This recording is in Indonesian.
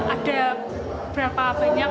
ada berapa banyak